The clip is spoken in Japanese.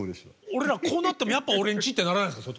俺らこうなってもやっぱ俺んち？ってならないんですか？